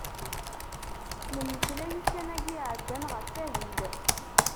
Nemmeslay ussan-agi iɛeddan ɣef wahil.